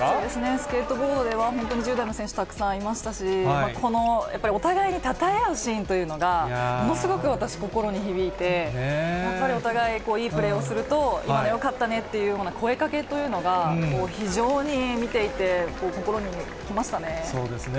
スケートボードでは、本当に１０代の選手、たくさんいましたし、このやっぱりお互いにたたえ合うシーンというのが、ものすごく私、心に響いて、やっぱりお互い、いいプレーをすると、今よかったねというような声かけというのが、非常に見ていて、心にきましたね。